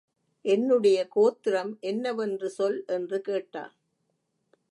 என்னுடைய கோத்திரம் என்னவென்று சொல் என்று கேட்டான்.